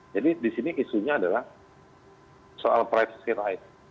jadi di sini isunya adalah soal privacy rights